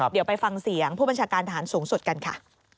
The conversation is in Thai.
เดี๋ยวไปฟังเสียงผู้บัญชาการฐานสูงสุดกันค่ะ